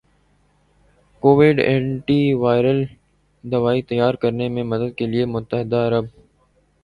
Covid antiviral دوائی تیار کرنے میں مدد کے لئے متحدہ عرب